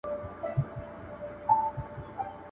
سړکونه خلګ له ځانه سره نښلوي.